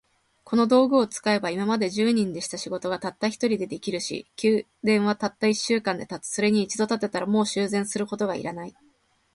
この道具を使えば、今まで十人でした仕事が、たった一人で出来上るし、宮殿はたった一週間で建つ。それに一度建てたら、もう修繕することが要らない。